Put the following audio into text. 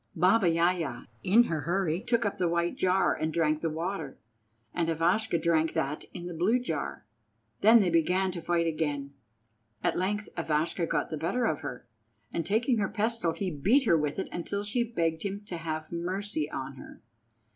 Baba Yaja, in her hurry, took up the white jar and drank the water, and Ivashka drank that in the blue jar. Then they began to fight again. At length Ivashka got the better of her, and taking her pestle he beat her with it till she begged him to have mercy on her.